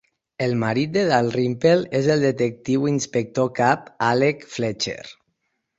El marit de Dalrymple és el detectiu inspector cap Alec Fletcher.